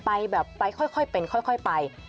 ไปแบบไปค่อยเป็นค่อยไป